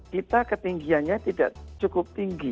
kita ketinggiannya tidak cukup tinggi